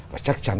và chắc chắn